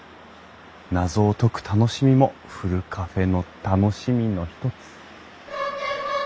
謎を解く楽しみもふるカフェの楽しみの一つ。